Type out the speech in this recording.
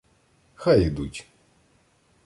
- Хай ідуть.